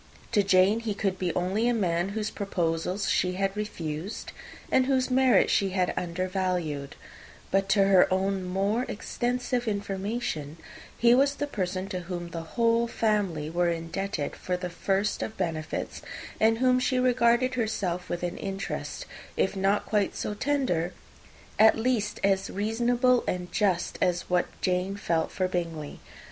To Jane, he could be only a man whose proposals she had refused, and whose merits she had undervalued; but to her own more extensive information, he was the person to whom the whole family were indebted for the first of benefits, and whom she regarded herself with an interest, if not quite so tender, at least as reasonable and just, as what Jane felt for Bingley.